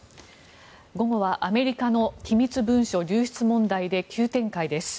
午後はアメリカの機密文書流出問題で急展開です。